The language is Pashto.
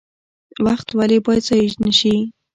وخت ولې باید ضایع نشي؟